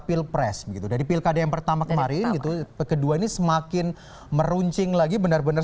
pilpres gitu dari pilkada yang pertama kemarin itu ke dua ini semakin meruncing lagi benar benar